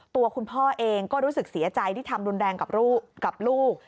ตัวคุณพ่อเองก็รู้สึกเสียใจที่ทำรุนแรงกับลูก